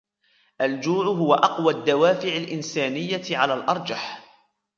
الجوع هو أقوى الدوافع الإنسانية على الأرجح.